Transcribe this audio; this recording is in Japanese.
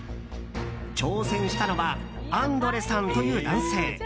挑戦したのはアンドレさんという男性。